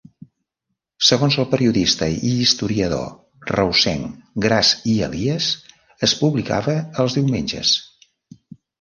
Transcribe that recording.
Segons el periodista i historiador reusenc Gras i Elies es publicava els diumenges.